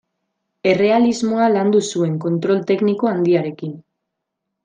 Errealismoa landu zuen, kontrol tekniko handiarekin.